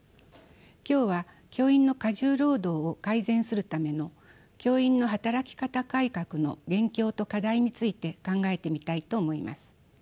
今日は教員の過重労働を改善するための教員の働き方改革の現況と課題について考えてみたいと思います。